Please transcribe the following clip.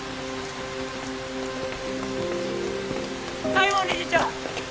西門理事長！